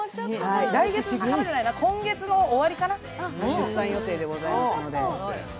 来月じゃない、今月の終わりかな、出産予定でございますので。